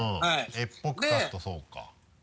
絵っぽく描くとそうか。